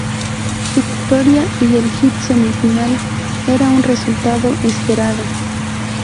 Su victoria en el hit semifinal era un resultado esperado.